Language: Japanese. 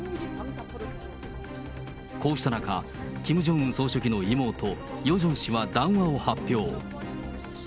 こうした中、キム・ジョンウン総書記の妹、ヨジョン氏は談話を発表。